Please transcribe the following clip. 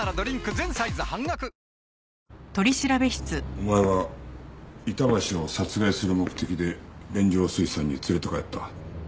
お前は板橋を殺害する目的で連城水産に連れて帰った。